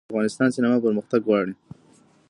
د افغانستان سینما پرمختګ غواړي